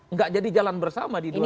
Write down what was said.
enggak jadi jalan bersama di dua negara